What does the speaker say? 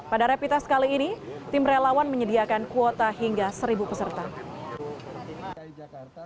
pada rapid test kali ini tim relawan menyediakan kuota hingga seribu peserta